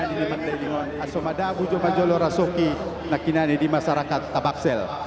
jadi ini adalah acara yang sangat menarik untuk masyarakat tabaksel